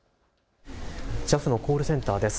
ＪＡＦのコールセンターです。